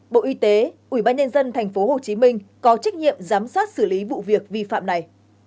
bộ y tế ủy ban nhân dân tp hcm có trách nhiệm giám sát xử lý vụ việc vi phạm này